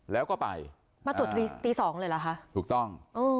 แล้วก็ไปมาตรวจตี๒เลยเหรอคะถูกต้อง